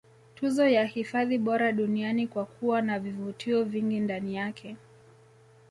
Tuzo ya hifadhi bora duniani kwa kuwa na vivutio vingi ndani yake